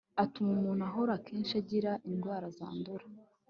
atuma umuntu ahora akenshi agira indwara zandura